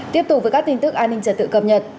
tiếp tục với các tin tức an ninh trật tự cập nhật